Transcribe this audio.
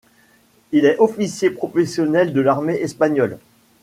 Il est officier professionnel de l'armée espagnole.